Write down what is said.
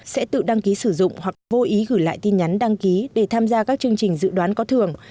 sẽ tự đăng ký sử dụng hoặc vô ý gửi lại tin nhắn đăng ký để tham gia các chương trình dự đoán có thường